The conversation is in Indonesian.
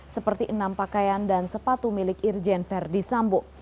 seperti enam pakaian dan sepatu milik irjen verdi sambo